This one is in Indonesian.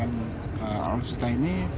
alur susita ini